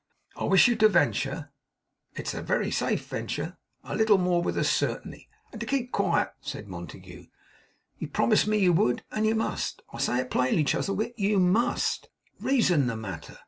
'I wish you to venture (it's a very safe venture) a little more with us, certainly, and to keep quiet,' said Montague. 'You promised me you would; and you must. I say it plainly, Chuzzlewit, you MUST. Reason the matter.